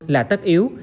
là tất yếu